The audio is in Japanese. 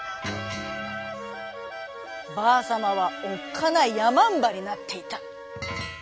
ばあさまはおっかないやまんばになっていた。